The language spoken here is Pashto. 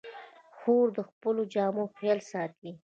خور د خپلو جامو خیال ساتي.